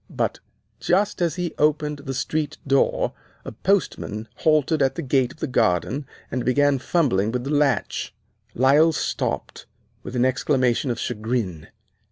But just as he opened the street door a postman halted at the gate of the garden, and began fumbling with the latch. "Lyle stopped, with an exclamation of chagrin.